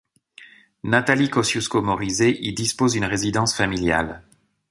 Nathalie Kosciusko-Morizet y dispose d'une résidence familiale.